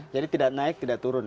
jadi tidak naik tidak turun